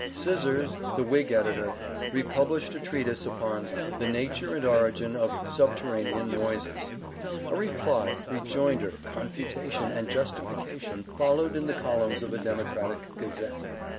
Scissors, the Whig editor, republished a treatise upon "the nature and origin of subterranean noises." A reply—rejoinder—confutation—and justification—followed in the columns of a Democratic gazette.